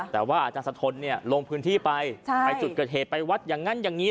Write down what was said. แต่ว่าอาจารย์สะทนลงพื้นที่ไปไปจุดเกิดเหตุไปวัดอย่างนั้นอย่างนี้